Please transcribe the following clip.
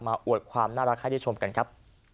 อวดความน่ารักให้ได้ชมกันครับ